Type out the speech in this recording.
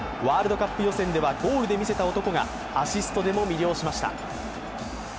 ワールドカップ予選ではゴールで見せた男がアシストでも魅了しました。